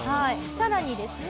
さらにですね